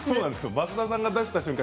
増田さんが出した瞬間